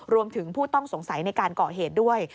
รวมถึงผู้ต้องสงสัยในการก่อเหตุด้วย